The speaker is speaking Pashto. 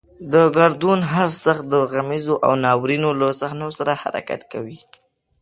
د ګردون هر څرخ د غمیزو او ناورینونو له صحنو سره حرکت کوي.